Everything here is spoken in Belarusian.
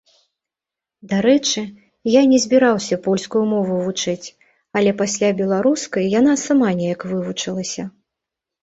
Дарэчы, я не збіраўся польскую мову вучыць, але пасля беларускай яна сама неяк вывучылася.